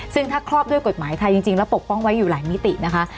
ซึ่งถ้าครอบด้วยกฎหมายไทยจริงแล้วปกป้องไว้อยู่หลายมิตินะคะ